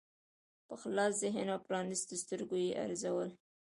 په خلاص ذهن او پرانیستو سترګو یې ارزول.